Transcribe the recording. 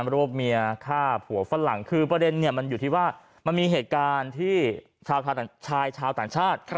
รวบเมียฆ่าผัวฝรั่งคือประเด็นเนี่ยมันอยู่ที่ว่ามันมีเหตุการณ์ที่ชายชาวต่างชาติ